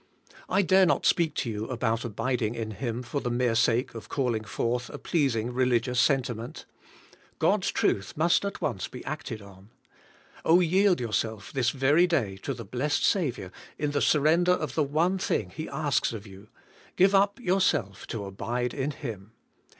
I dare not speak to you about abiding in Him for the mere sake of calling forth a pleasing religious sentiment. God's truth must at once be acted on. yield yourself this very day to the blessed Saviour in the surrender of the one thing He asks of you : give up yourself to abide in Him.